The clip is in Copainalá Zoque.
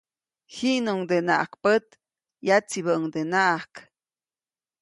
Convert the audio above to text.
Jiʼnuŋdenaʼajk pät, yatsibäʼuŋdenaʼajk.